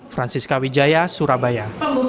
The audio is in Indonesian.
francisca wijaya surabaya